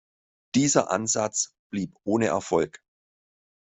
Dieser Ansatz blieb ohne Erfolg.